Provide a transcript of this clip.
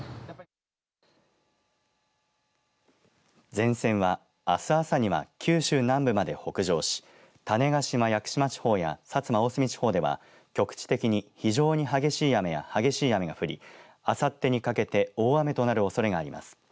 前線は、あす朝には九州南部まで北上し種子島、屋久島地方や薩摩、大隅地方では局地的に非常に激しい雨が降りあさってにかけて大雨となるおそれがあります。